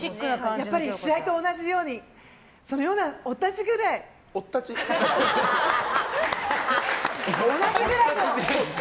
やっぱり試合と同じようにそのようなおったちぐらい同じぐらい。